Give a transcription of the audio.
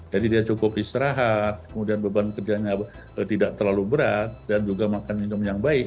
jadi dia cukup istirahat kemudian beban kerjanya tidak terlalu berat dan juga makan minum yang baik